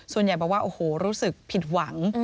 ส่วนใหญ่บอกว่าโอ้โหรู้สึกผิดหวัง